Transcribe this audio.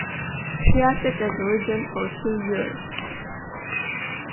She acted as regent for two years.